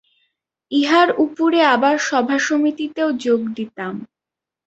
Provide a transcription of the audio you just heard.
ইহার উপরে আবার সভাসমিতিতেও যোগ দিতাম।